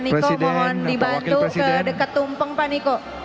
niko mohon dibantu ke dekat tumpeng pak niko